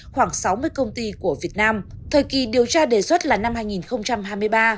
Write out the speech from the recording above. khoảng sáu mươi công ty của việt nam thời kỳ điều tra đề xuất là năm hai nghìn hai mươi ba